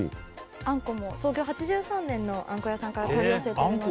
あんこも創業８３年のあんこ屋さんから取り寄せてるのでへえ